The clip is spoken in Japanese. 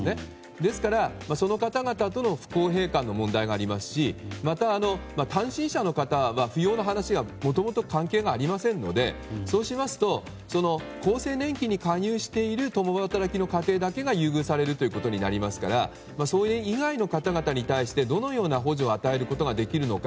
ですから、その方々との不公平感の問題がありますしまた単身者の方は扶養の話がもともと関係がありませんのでそうしますと、厚生年金に加入している共働きの家庭だけが優遇されることになりますからそれ以外の方々に対してどのような補助を与えることができるのか。